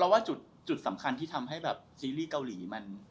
ว่าจุดสำคัญที่ทำให้แบบซีรีส์เกาหลีมัน